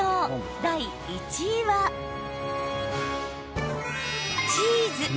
第１位はチーズ。